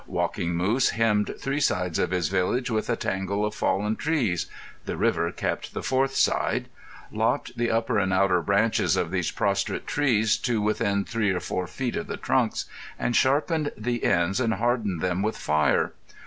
Walking Moose hemmed three sides of his village with a tangle of fallen trees—the river kept the fourth side—lopped the upper and outer branches of these prostrate trees to within three or four feet of the trunks, and sharpened the ends and hardened them with fire.